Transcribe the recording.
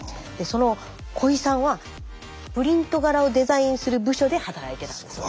小井さんはプリント柄をデザインする部署で働いてたんだそうです。